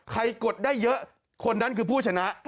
กดได้เยอะคนนั้นคือผู้ชนะ